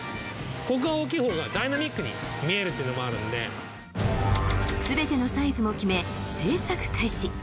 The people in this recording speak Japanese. ここが大きいほうがダイナミックに見えるっていうのもあるんですべてのサイズも決め製作開始